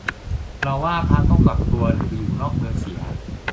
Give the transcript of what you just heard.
เราว่าพระต้องปรับตัว หรือไปอยู่นอกเมืองเสีย